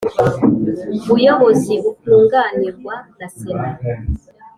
Buyobozi bukunganirwa na sena